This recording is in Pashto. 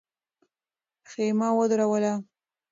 خېمه ودروله.